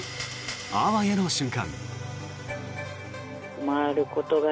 あわやの瞬間。